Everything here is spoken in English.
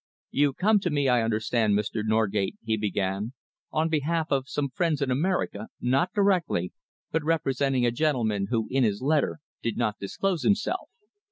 "You come to me, I understand, Mr. Norgate," he began, "on behalf of some friends in America, not directly, but representing a gentleman who in his letter did not disclose himself.